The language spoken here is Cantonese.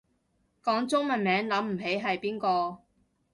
講中文名諗唔起係邊個